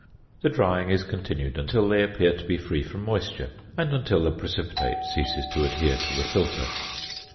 The drying is continued until they appear to be free from moisture, and until the precipitate ceases to adhere to the filter.